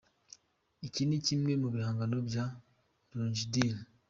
Iki ni kimwe mubihangano bya Rujindiri.